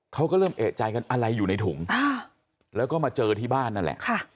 เขาก็เริ่มเอกใจกันอะไรอยู่ในถุงแล้วก็มาเจอที่บ้านนั่นแหละ